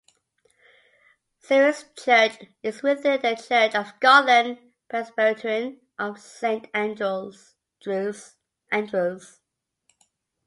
Ceres Church is within the Church of Scotland Presbytery of Saint Andrews.